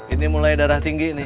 ini mulai darah tinggi nih